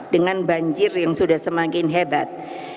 dengan banjir yang sudah semakin hebat